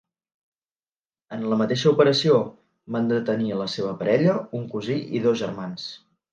En la mateixa operació, van detenir la seva parella, un cosí i dos germans.